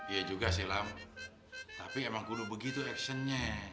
iya juga sih lam tapi emang kudu begitu actionnya